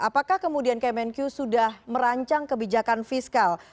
apakah kemudian kmnq sudah merancang kebijakan fiskal